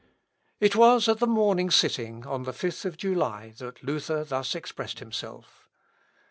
It was at the morning sitting, on the 5th July, that Luther thus expressed himself.